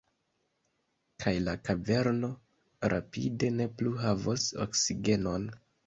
Kaj la kaverno rapide ne plu havos oksigenon.